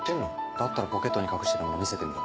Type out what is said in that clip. だったらポケットに隠してる物見せてみろ。